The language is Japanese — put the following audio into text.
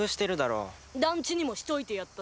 団地にもしといてやったぜ。